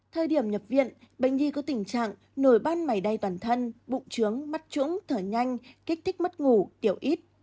thời điểm nhập viện bệnh nhi có tình trạng nổi ban mày đay toàn thân bụng trướng mắt trũng thở nhanh kích thích mất ngủ tiểu ít